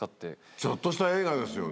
ちょっとした映画ですよね。